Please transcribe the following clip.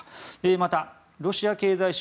また、ロシア経済誌